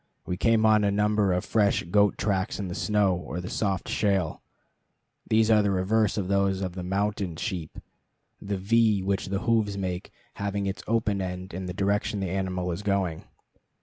We came on a number of fresh goat tracks in the snow or the soft shale. These are the reverse of those of the mountain sheep, the V which the hoofs make having its open end in the direction the animal is going.